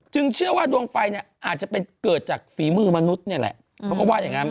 จึงเชื่อว่าดวงไฟอาจจะเกิดจากฝีมือมนุษย์นี่แหละ